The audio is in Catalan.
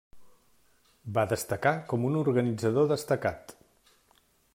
Va destacar com un organitzador destacat.